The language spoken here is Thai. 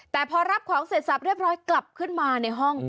แต่พอรับของเสร็จสับเรียบร้อยกลับขึ้นมาในห้อง